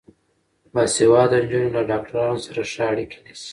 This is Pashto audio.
باسواده نجونې له ډاکټرانو سره ښه اړیکه نیسي.